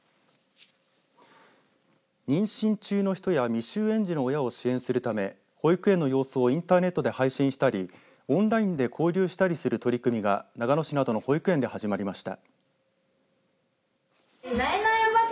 妊娠中の人や未就園児の親を支援するため保育園の様子をインターネットで配信したりオンラインで交流したりする取り組みが長野市などの保育園で始まりました。